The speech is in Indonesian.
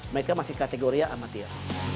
mereka masih kategoria amatir